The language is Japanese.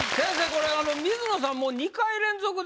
これ水野さん